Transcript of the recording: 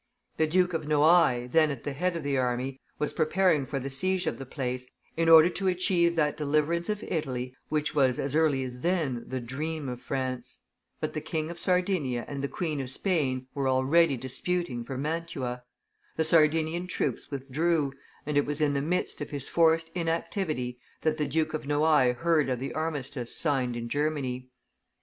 The Duke of Noailles, then at the head of the army, was preparing for the siege of the place, in order to achieve that deliverance of Italy which was as early as then the dream of France, but the King of Sardinia and the Queen of Spain were already disputing for Mantua; the Sardinian troops withdrew, and it was in the midst of his forced inactivity that the Duke of Noailles heard of the armistice signed in Germany.